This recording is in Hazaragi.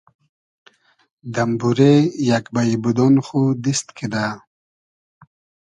دئمبورې یئگ بݷ بودۉن خو دیست کیدۂ